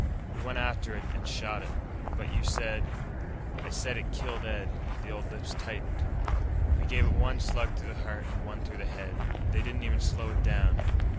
We went after it, an' shot it." "But you said ..." "I said it killed Ed." The old lips tightened. "We gave it one slug through the heart and one through the head. They didn't even slow it down."